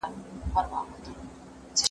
ميلمانه د خداي رحمت بلل کيږي.